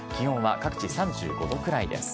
気温は各地３５度くらいです。